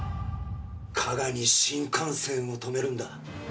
加賀に新幹線を止めるんだ。